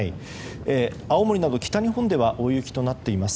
青森など、北日本では大雪となっています。